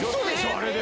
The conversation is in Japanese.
あれで？